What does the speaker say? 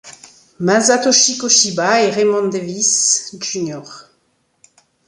Masatoshi Koshiba et Raymond Davis Jr.